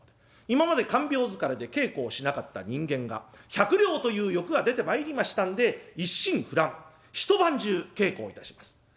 今まで看病疲れで稽古をしなかった人間が１００両という欲が出てまいりましたんで一心不乱一晩中稽古をいたします。